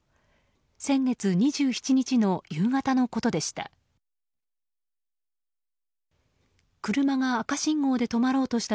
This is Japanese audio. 先月２７日の夕方のことでした。